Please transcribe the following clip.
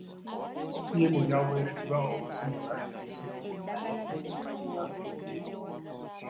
Ttiimu y'awereddwa okusimula ekisobyo mu ddakiika ekkumi ezaasembyeyo.